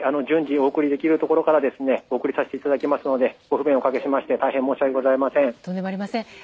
順次お送りできるところから送らせていただきますのでご不便をおかけしました大変申し訳ございません。